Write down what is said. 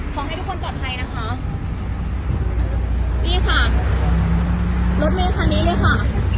ขอให้ทุกคนปลอดภัยนะคะนี่ค่ะรถเมคันนี้เลยค่ะ